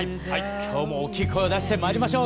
今日も大きい声を出してまいりましょう。